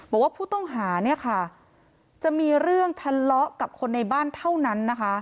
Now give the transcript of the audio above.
บอกว่าผู้ต้องหาเนี่ยค่ะจะมีเรื่องทะเลาะกับคนในบ้านเท่านั้นนะคะ